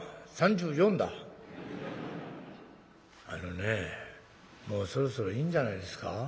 「あのねもうそろそろいいんじゃないですか？